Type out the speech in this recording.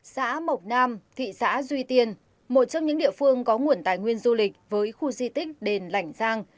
xã mộc nam thị xã duy tiên một trong những địa phương có nguồn tài nguyên du lịch với khu di tích đền lảnh giang